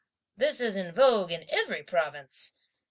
This is in vogue in every province.